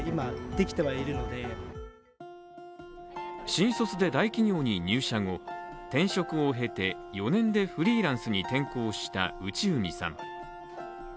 新卒で大企業に入社後、転職を経て４年でフリーランスに転向した内海さん。